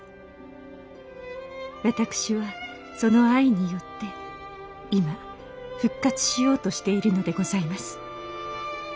私はその愛によって今復活しようとしているのでございます。